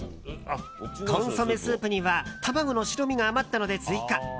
コンソメスープには卵の白身が余ったので追加。